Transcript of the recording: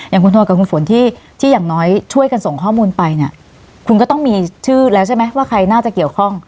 อย่างคุณโทนกับคุณฝนที่อย่างน้อยช่วยกันส่งข้อมูลไปเนี่ยคุณก็ต้องมีชื่อแล้วใช่ไหมว่าใครน่าจะเกี่ยวข้อง